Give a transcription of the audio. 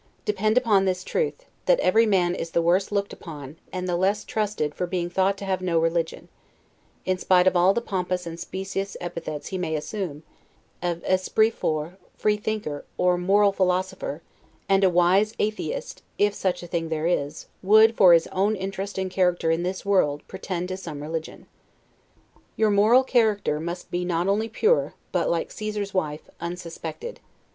Depend upon this truth, that every man is the worse looked upon, and the less trusted for being thought to have no religion; in spite of all the pompous and specious epithets he may assume, of 'Esprit fort', freethinker, or moral philosopher; and a wise atheist (if such a thing there is) would, for his own interest and character in this world, pretend to some religion. Your moral character must be not only pure, but, like Caesar's wife, unsuspected.